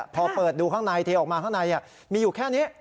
พอเปิดดูข้างในเทออกมาข้างในมีอยู่แค่นี้